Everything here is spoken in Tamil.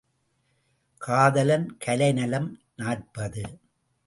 காதலன் கலைநலம் நாற்பது.